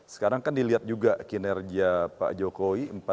sekarang kan dilihat juga kinerja pak jokowi